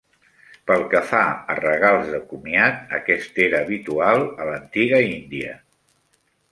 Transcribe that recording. Pel que fa a regals de comiat, aquest era habitual a l'antiga Índia.